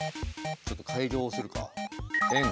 ちょっと改行するか。